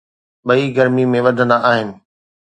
ٻئي گرمي ۾ وڌندا آهن